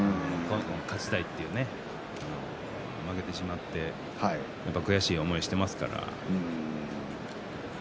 勝ちたいというね負けてしまってやっぱり悔しい思いをしていますから。